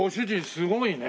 すごいよ。